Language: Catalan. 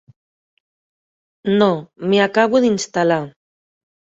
No, m'hi acabo d'instal·lar.